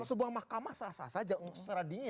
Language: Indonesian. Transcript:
sebuah mahkamah sah sah saja secara dingin